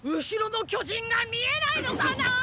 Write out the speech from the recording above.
後ろの巨人が見えないのかな